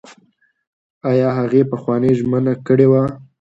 ایا هغې پخوانۍ ژمنه کړې وه؟